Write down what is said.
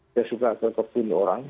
dia suka ke kebun orang